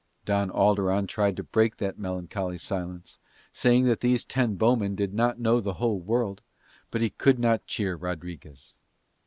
Don Alderon tried to break that melancholy silence, saying that these ten bowmen did not know the whole world; but he could not cheer Rodriguez.